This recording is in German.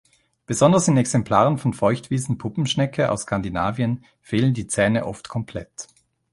Besonders in Exemplaren von Feuchtwiesen-Puppenschnecke aus Skandinavien fehlen die Zähne oft komplett.